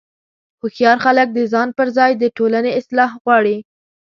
هوښیار خلک د ځان پر ځای د ټولنې اصلاح غواړي.